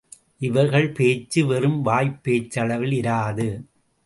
இவர்கள் பேச்சு வெறும் வாய்ப்பேச்சளவில் இராது.